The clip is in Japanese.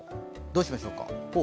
どうしましょうか。